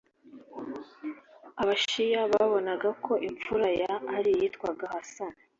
abashiya babonaga ko imfura ya ʽalī yitwaga ḥasan,